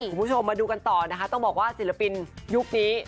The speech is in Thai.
คุณผู้ชมมาดูกันต่อนะคะต้องบอกว่าศิลปินยุคนี้